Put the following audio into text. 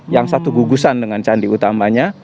yang satu gugusan dengan candi utamanya